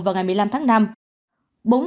vào ngày một mươi năm tháng năm